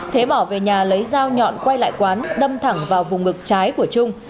thế bỏ về nhà lấy dao nhọn quay lại quán đâm thẳng vào vùng ngực trái của trung